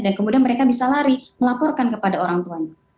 dan kemudian mereka bisa lari melaporkan kepada orang tuanya